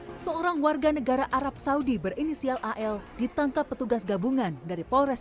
hai seorang warga negara arab saudi berinisial al al ditangkap petugas gabungan dari polres